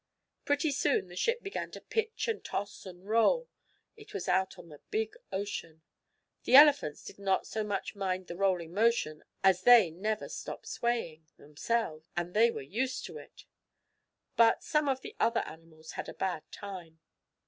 Pretty soon the ship began to pitch and toss and roll. It was out on the big ocean. The elephants did not so much mind the rolling motion, as they never stopped swaying themselves, and they were used to it, but some of the other animals had a bad time.